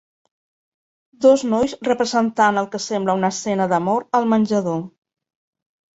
Dos nois representant el que sembla una escena d'amor al menjador.